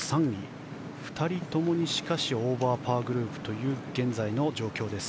しかし、２人ともにオーバーパーグループという現在の状況です。